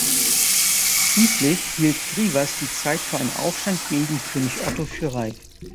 Schließlich hielt Grivas die Zeit für einen Aufstand gegen König Otto für reif.